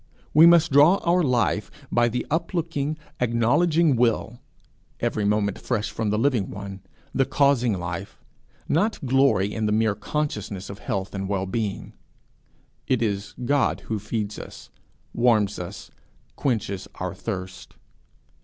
We must draw our life, by the uplooking, acknowledging will, every moment fresh from the living one, the causing life, not glory in the mere consciousness of health and being. It is God feeds us, warms us, quenches our thirst.